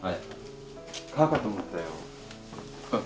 川かと思ったよ。